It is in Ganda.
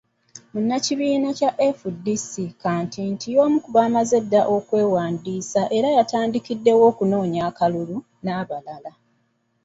Munnakibiina kya FDC, Kantinti y'omu ku baamaze edda okwewandiisa era yatandikiddewo okunoonya akalulu, n'abalala.